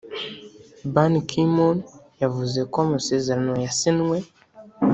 Ban Ki-moon yavuze ko amasezerano yasinywe